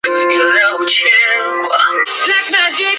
奇蒿为菊科蒿属的植物。